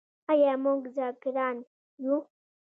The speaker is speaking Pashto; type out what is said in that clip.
آیا موږ ذاکران یو؟